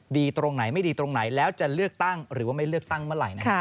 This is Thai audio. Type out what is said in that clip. ตรงไหนไม่ดีตรงไหนแล้วจะเลือกตั้งหรือว่าไม่เลือกตั้งเมื่อไหร่